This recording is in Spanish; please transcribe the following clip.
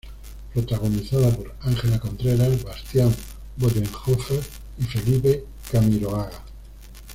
Protagonizada por Ángela Contreras, Bastián Bodenhöfer y Felipe Camiroaga.